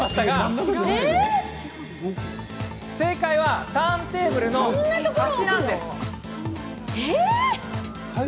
正解はターンテーブルの端でした。